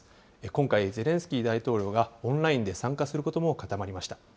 今回、ゼレンスキー大統領がオンラインで参加することも固まりました。